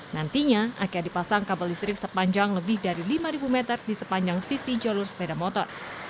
nantinya akan dipasang kabel listrik sepanjang lebih dari lima meter di sepanjang sisi jalur sepeda motor